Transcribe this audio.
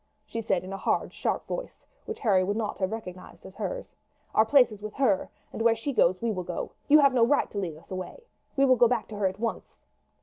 she said in a hard sharp voice which Harry would not have recognized as hers. "Our place is with her, and where she goes we will go. You have no right to lead us away. We will go back to her at once."